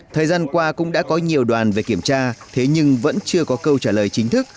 thời gian qua cũng đã có nhiều đoàn về kiểm tra thế nhưng vẫn chưa có câu trả lời chính thức